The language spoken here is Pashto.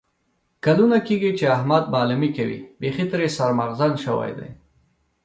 کلونه کېږي چې احمد معلیمي کوي. بیخي ترې سر مغزن شوی دی.